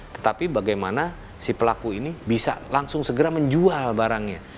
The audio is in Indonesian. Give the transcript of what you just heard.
tetapi bagaimana si pelaku ini bisa langsung segera menjual barangnya